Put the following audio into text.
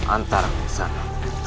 antar di sana